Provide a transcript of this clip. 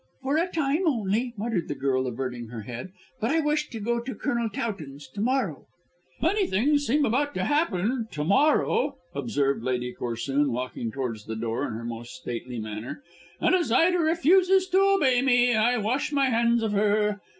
"For a time only," muttered the girl averting her head. "But I wish to go to Colonel Towton's to morrow." "Many things seem about to happen to morrow," observed Lady Corsoon walking towards the door in her most stately manner. "And as Ida refuses to obey me, I wash my hands of her.